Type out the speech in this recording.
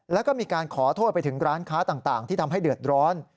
แล้วก็มีการขอโทษไปถึงร้านค้าต่างที่ทำให้เดือดร้อน